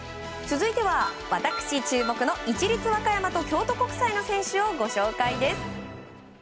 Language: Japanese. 続いては私注目の、市立和歌山と京都国際の選手をご紹介です。